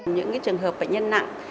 những trường hợp bệnh nhân nặng